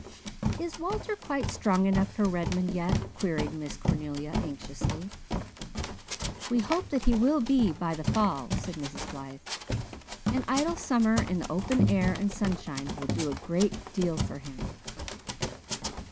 '" "Is Walter quite strong enough for Redmond yet?" queried Miss Cornelia anxiously. "We hope that he will be by the fall," said Mrs. Blythe. "An idle summer in the open air and sunshine will do a great deal for him."